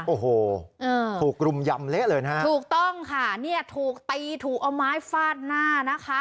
โอ้โหถูกรุมยำเละเลยนะฮะถูกต้องค่ะเนี่ยถูกตีถูกเอาไม้ฟาดหน้านะคะ